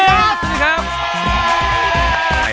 สวัสดีครับ